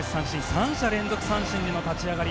三者連続三振での立ち上がり。